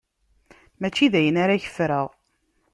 Mačči d ayen ara k-ffreɣ.